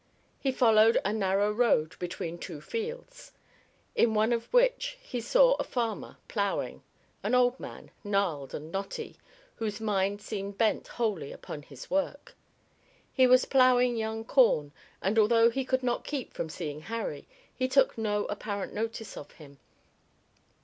He followed a narrow road between two fields, in one of which he saw a farmer ploughing, an old man, gnarled and knotty, whose mind seemed bent wholly upon his work. He was ploughing young corn, and although he could not keep from seeing Harry, he took no apparent notice of him.